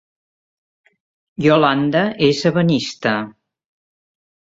Yolanda és ebenista